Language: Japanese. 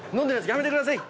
やめてください。